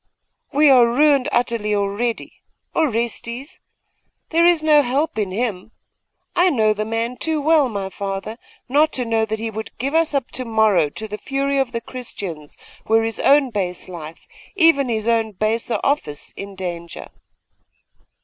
'We are ruined utterly already. Orestes? There is no help in him. I know the man too well, my father, not to know that he would give us up to morrow to the fury of the Christians were his own base life even his own baser office in danger.